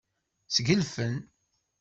Sgelfen.